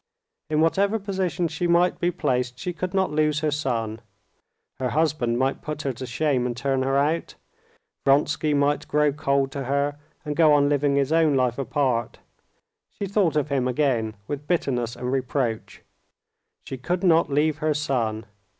In whatever position she might be placed, she could not lose her son. Her husband might put her to shame and turn her out, Vronsky might grow cold to her and go on living his own life apart (she thought of him again with bitterness and reproach); she could not leave her son.